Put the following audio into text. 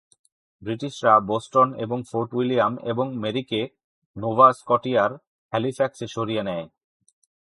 ব্রিটিশরা বোস্টন এবং Fort William এবং মেরিকে নোভা স্কটিয়ার হ্যালিফ্যাক্সে সরিয়ে নেয়।